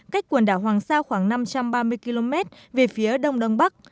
cách quần đảo hoàng sa khoảng năm trăm ba mươi km về phía đông đông bắc